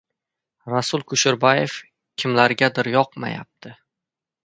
Rasul Kusherbaev kimlargadir yoqmayapti...